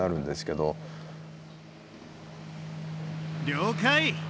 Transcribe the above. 了解。